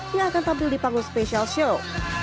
yang akan tampil di panggung special show